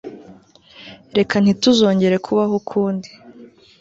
reka ntituzongere kubaho ukundi